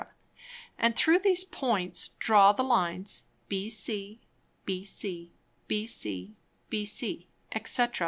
_ and through these Points draw the Lines bc, bc, bc, bc, _&c.